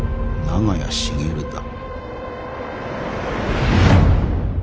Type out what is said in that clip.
長屋茂だ。